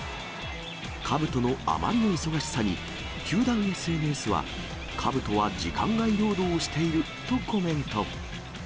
かぶとのあまりの忙しさに、球団ＳＮＳは、かぶとは時間外労働をしているとコメント。